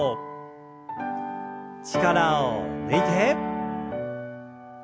力を抜いて。